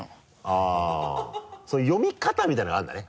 あっそれ読み方みたいなのがあるんだね。